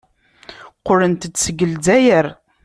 Qqlent-d seg Lezzayer.